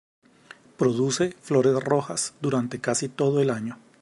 Produce flores rojas durante casi todo el año.